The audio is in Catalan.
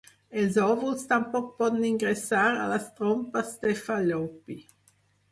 Els òvuls tampoc poden ingressar a les trompes de Fal·lopi.